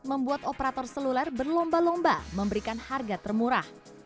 membuat operator seluler berlomba lomba memberikan harga termurah